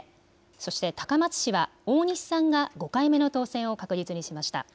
そして高松市は大西さんが５回目の当選を確実にしました。